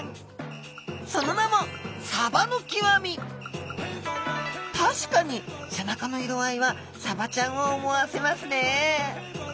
その名も確かに背中の色合いはサバちゃんを思わせますね。